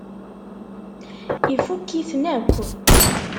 Ifukk-iten akk.